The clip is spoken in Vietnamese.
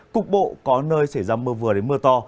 cục bộ có nơi xảy ra mưa vừa đến mưa to